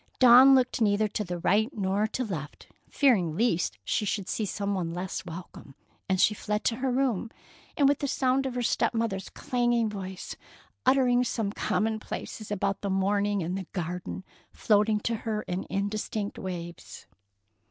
Dawn looked neither to right nor to left, fearing lest she should see some one less welcome, and so she fled to her room, with the sound of her step mother's clanging voice, uttering some commonplaces about the morning and the garden, floating to her in indistinct waves.